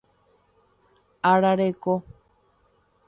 Arareko